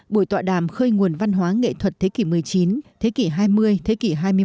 buổi tọa đàm khơi nguồn văn hóa nghệ thuật thế kỷ một mươi chín thế kỷ hai mươi thế kỷ hai mươi một